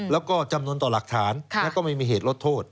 แล้วก็จำนวนต่อหลักฐานและก็ไม่มีเหตุลดโทษ